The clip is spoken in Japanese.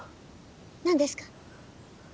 何ですか？